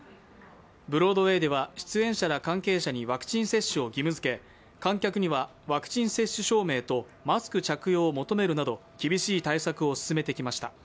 ブロードウェイでは出演者ら関係者にワクチン接種を義務づけ観客にはワクチン接種証明とマスク着用を求めるなど厳しい対策を進めてきました。